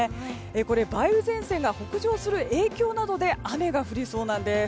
これ、梅雨前線が北上する影響などで雨が降りそうなんです。